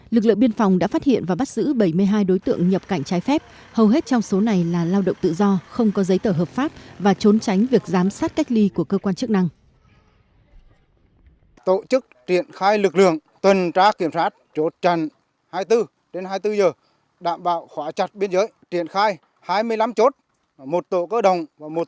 lực lượng biên phòng đã phát hiện và bắt giữ bảy mươi hai đối tượng nhập cảnh trái phép hầu hết trong số này là lao động tự do không có giấy tờ hợp pháp và trốn tránh việc giám sát cách ly của cơ quan chức năng